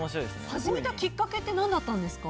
始めたきっかけって何だったんですか？